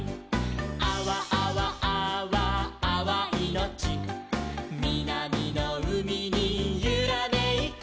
「あわあわあわあわいのち」「みなみのうみにゆらめいて」